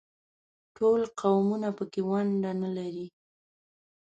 ټول قومونه په کې ونډه نه لري.